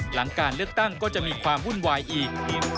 หลังการเลือกตั้งก็จะมีความวุ่นวายอีก